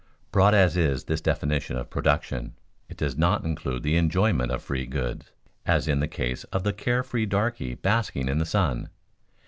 Broad as is this definition of production, it does not include the enjoyment of free goods, as in the case of the care free darky basking in the sun.